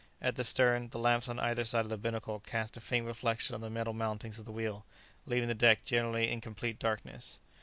At the stern, the lamps on either side of the binnacle cast a faint reflection on the metal mountings of the wheel, leaving the deck generally in complete darkness.